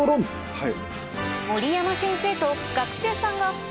はい。